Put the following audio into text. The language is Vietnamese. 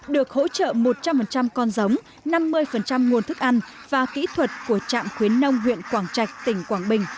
được hỗ trợ một trăm linh con giống năm mươi nguồn thức ăn và kỹ thuật của trạm khuyến nông huyện quảng trạch tỉnh quảng bình